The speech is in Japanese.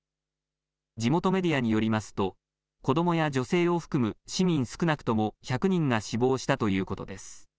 地元メディアによりますと、子どもや女性を含む市民少なくとも１００人が死亡したということです。